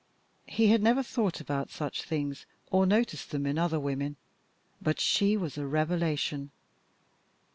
He had never thought about such things, or noticed them much in other women, but she was a revelation.